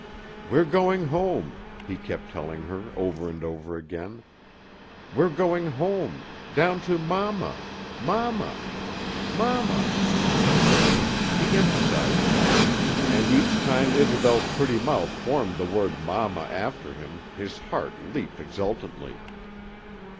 "We're going home," he kept telling her over and over again. "We're going home down to mama mama mama!" He emphasized that; and each time Isobel's pretty mouth formed the word mama after him his heart leaped exultantly.